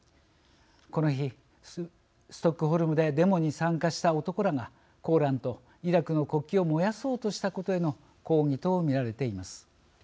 この日、ストックホルムでデモに参加した男らがコーランとイラクの国旗を燃やそうとしたことへの抗議と見られています。